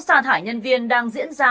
xa thải nhân viên đang diễn ra